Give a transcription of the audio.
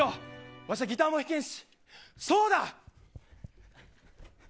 わしはギターも弾けんしそうだ。